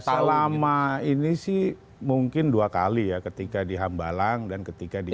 selama ini sih mungkin dua kali ya ketika di hambalang dan ketika di